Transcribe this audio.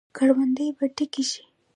کروندې به ډکې شي.